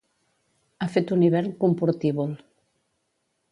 Ha fet un hivern comportívol.